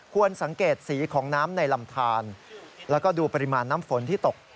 สังเกตสีของน้ำในลำทานแล้วก็ดูปริมาณน้ำฝนที่ตก